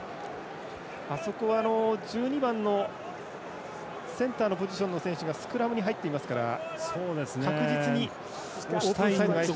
あそこは１２番のセンターのポジションの選手がスクラムに入っていますから確実に。